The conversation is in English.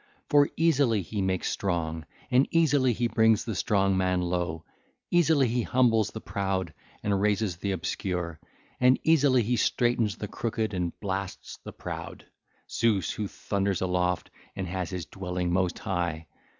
For easily he makes strong, and easily he brings the strong man low; easily he humbles the proud and raises the obscure, and easily he straightens the crooked and blasts the proud,—Zeus who thunders aloft and has his dwelling most high.